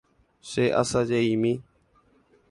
Cheasaje'imi